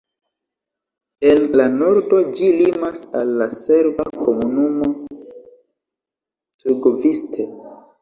En la nordo ĝi limas al la serba komunumo Trgoviste.